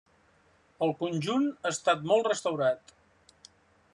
El conjunt ha estat molt restaurat.